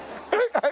はい？